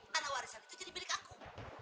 karena warisan itu jadi milik aku